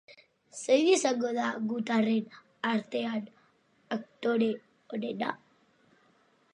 Zein izango da gutarren artean aktore onena?